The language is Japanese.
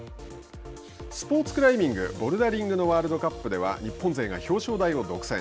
スポーツクライミングボルダリングのワールドカップでは日本勢が表彰台を独占。